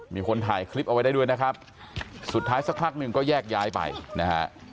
มีคนถ่ายคลิปเอาไว้ได้ด้วยนะครับสุดท้ายสักพักหนึ่งก็แยกย้ายไปนะฮะ